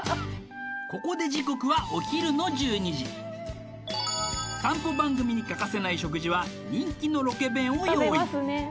ここで時刻はお昼の１２時散歩番組に欠かせない食事は人気のロケ弁を用意